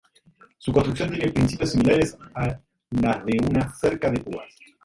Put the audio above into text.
Su construcción tiene principios similares a las de una cerca de púas.